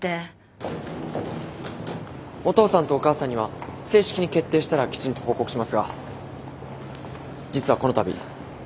お父さんとお母さんには正式に決定したらきちんと報告しますが実はこの度。